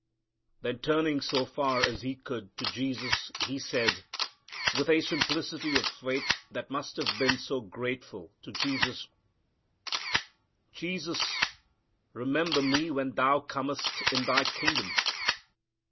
Then turning so far as he could to Jesus, he said, with a simplicity of faith that must have been so grateful to Jesus, "Jesus, remember me when Thou comest in Thy kingdom."